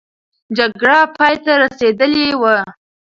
جګړه پای ته رسېدلې وه.